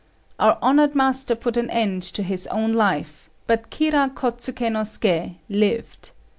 Our honoured master put an end to his own life, but Kira Kôtsuké no Suké lived.